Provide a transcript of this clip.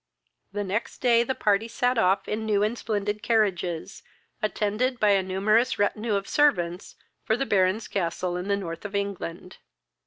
The next day the party sat off in new and splendid carriages, attended by a numerous retinue of servants, for the Baron's castle in the North of England.